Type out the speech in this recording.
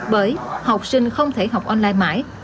bởi học sinh không thể học online mãi